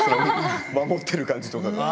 守ってる感じとかが。